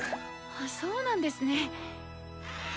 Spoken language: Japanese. あそうなんですね。